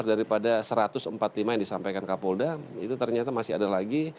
daripada satu ratus empat puluh lima yang disampaikan kapolda itu ternyata masih ada lagi